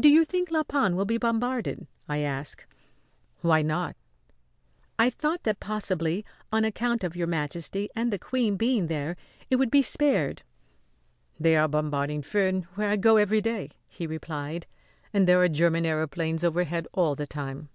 "Do you think La Panne will be bombarded?" I asked. "Why not?" "I thought that possibly, on account of Your Majesty and the Queen being there, it would be spared. "They are bombarding Furnes, where I go every day," he replied. "And there are German aëroplanes overhead all the time."